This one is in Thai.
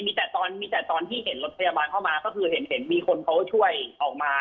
มีแต่ตอนมีแต่ตอนที่เห็นรถพยาบาลเข้ามาก็คือเห็นมีคนเขาช่วยออกมา